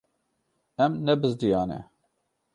Em nebizdiyane.